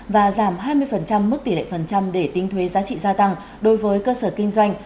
và giảm hai mươi mức tỷ lệ phần trăm để tính thuế giá trị gia tăng đối với cơ sở kinh doanh